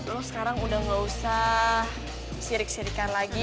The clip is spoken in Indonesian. terus sekarang udah gak usah sirik sirikan lagi